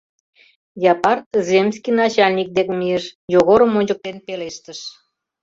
Япар земский начальник дек мийыш, Йогорым ончыктен, пелештыш: